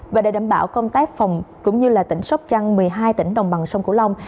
và để đảm bảo công tác phòng cũng như là tỉnh sóc trăng một mươi hai tỉnh đồng bằng sông cửu long